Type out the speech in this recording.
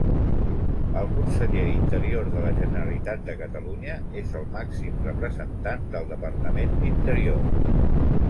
El conseller d'Interior de la Generalitat de Catalunya és el màxim representant del Departament d'Interior.